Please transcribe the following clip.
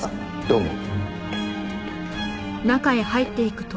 どうも。